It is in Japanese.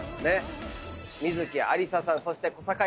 観月ありささんそして小堺一機さんです。